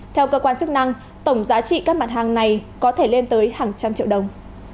theo cơ quan chức năng tổng giá trị các mặt hàng này có thể lên tới hàng trăm triệu đồng